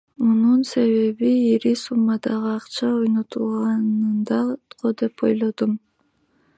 Мунун себеби ири суммадагы акча ойнотулганында го деп ойлодум.